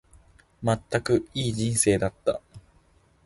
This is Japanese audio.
まったく、いい人生だった。